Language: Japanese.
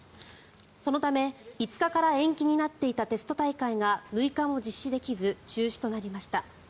そのため５日から延期になっていたテスト大会が６日も実施できず中止となりました。